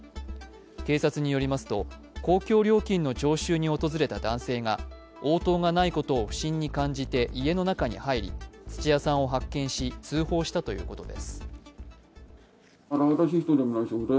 警察によりますと、公共料金の徴収に訪れた男性が、応答がないことを不審に感じて家の中に入り土屋さんを発見し通報したということです。